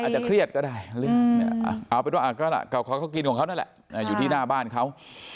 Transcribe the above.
เครียดก็ได้เอาเป็นว่าเก่าเขาก็กินของเขานั่นแหละอยู่ที่หน้าบ้านเขา